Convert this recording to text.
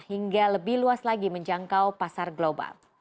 hingga lebih luas lagi menjangkau pasar global